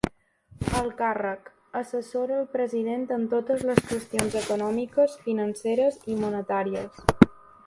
El càrrec: assessora el president en totes les qüestions econòmiques, financeres i monetàries.